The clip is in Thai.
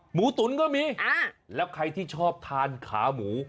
ตุ๋นก็มีแล้วใครที่ชอบทานขาหมู